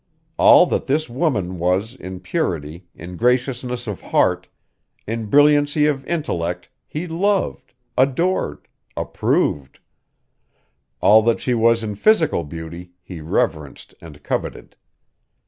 All that this woman was in purity, in graciousness of heart, in brilliancy of intellect he loved, adored, approved; all that she was in physical beauty he reverenced and coveted.